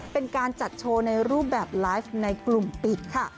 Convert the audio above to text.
เป็นการจัดโชว์ในรูปแบบไลฟ์ในกลุ่มปิดค่ะ